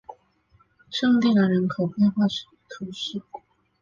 圣蒂兰人口变化图示